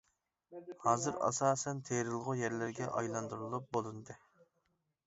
ھازىر ئاساسەن تېرىلغۇ يەرلەرگە ئايلاندۇرۇلۇپ بولۇندى.